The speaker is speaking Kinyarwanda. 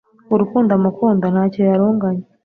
Urukundo amukunda ntacyo yarunganya